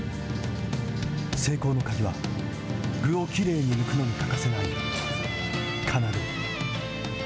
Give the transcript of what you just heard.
成功の鍵は、具をきれいに抜くのに欠かせない金具。